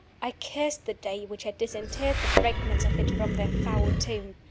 I cursed the day which had disinterred the fragments of it from their foul tomb.